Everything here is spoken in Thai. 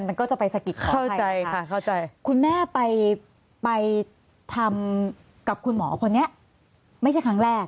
มันก็จะไปสะกิดขออภัยค่ะคุณแม่ไปทำกับคุณหมอคนนี้ไม่ใช่ครั้งแรก